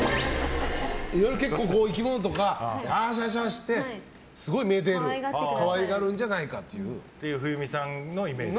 いろいろ生き物とかよしよしってすごいめでる可愛がるんじゃないかという。っていう冬美さんのイメージ。